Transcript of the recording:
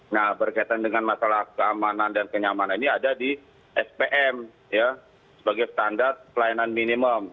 nah berkaitan dengan masalah keamanan dan kenyamanan ini ada di spm sebagai standar pelayanan minimum